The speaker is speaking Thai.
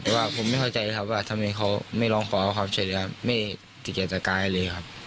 แต่ว่าผมไม่เข้าใจครับว่าทำไมเขาไม่ร้องขอเอาความเฉยดีครับไม่ได้ติเกียจจากกายเลยครับ